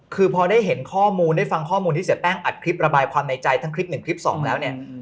คือพอได้เห็นข้อมูลได้ฟังข้อมูลที่เสียแป้งอัดคลิประบายความในใจทั้งคลิปหนึ่งคลิปสองแล้วเนี่ย